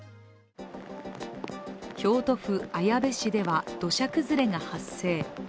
京都府綾部市では、土砂崩れが発生。